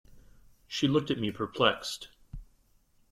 She looked at me, perplexed.